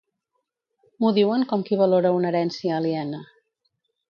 M'ho diuen com qui valora una herència aliena.